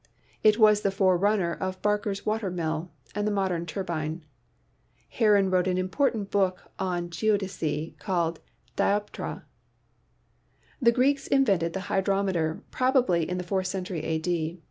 It was the forerunner of Bar ker's water mill and the modern turbine. Heron wrote an important book on geodesy, called "Dioptra." The Greeks invented the hydrometer, probably in the fourth century a.d.